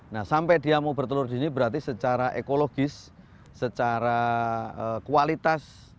nah sampai dia mau bertelur di sini berarti secara ekologis secara kualitas